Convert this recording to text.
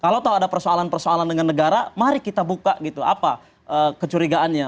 kalau tahu ada persoalan persoalan dengan negara mari kita buka gitu apa kecurigaannya